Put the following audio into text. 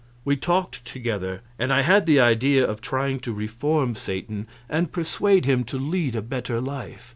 We talked together, and I had the idea of trying to reform Satan and persuade him to lead a better life.